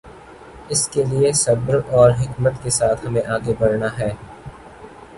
اس کے لیے صبر اور حکمت کے ساتھ ہمیں آگے بڑھنا ہے۔